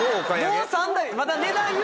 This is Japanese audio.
もう３台。